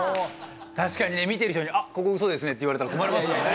確かにね見てる人に「あっここウソですね」って言われたら困りますしね。